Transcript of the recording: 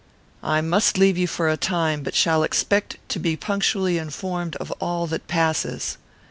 I must leave you for a time, but shall expect to be punctually informed of all that passes."